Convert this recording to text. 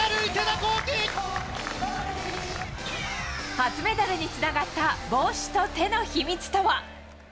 初メダルにつながった帽子と手の秘密とは。